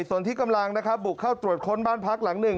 ส่วนที่กำลังนะครับบุกเข้าตรวจค้นบ้านพักหลังหนึ่ง